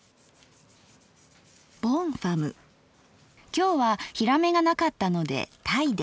今日はヒラメが無かったので鯛で。